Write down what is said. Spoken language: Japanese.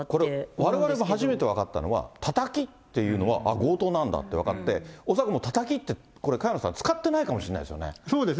われわれも初めて分かったのは、タタキっていうのはあっ、強盗なんだって分かって、恐らくタタキって、これ、萱野さん、使ってないかもしれないですよね。